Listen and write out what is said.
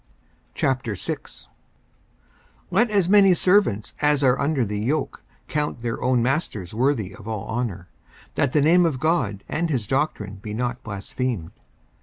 54:006:001 Let as many servants as are under the yoke count their own masters worthy of all honour, that the name of God and his doctrine be not blasphemed.